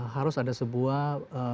harus ada sebuah